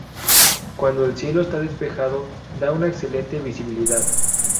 Cuando el cielo está despejado da una excelente visibilidad.